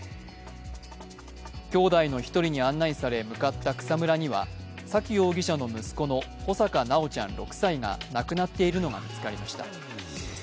きょうだいの１人に案内され、向かった草むらには沙喜容疑者の息子の穂坂修ちゃん６歳が亡くなっているのが見つかりました。